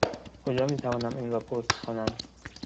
کجا می توانم این را پست کنم؟